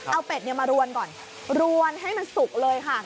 เอาเป็ดมารวนก่อนรวนให้มันสุกเลยค่ะ